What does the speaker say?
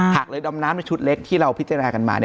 หากเลยดำน้ำในชุดเล็กที่เราพิจารณากันมา